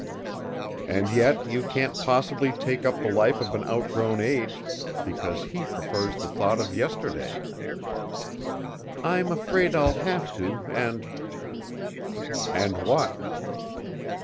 "And yet you can't possibly take up the life of an outgrown age because he prefers the thought of yesterday." "I'm afraid I'll have to and " "And what?"